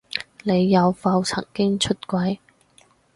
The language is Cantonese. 你有否曾經出軌？